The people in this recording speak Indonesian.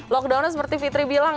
lockdownnya seperti fitri bilang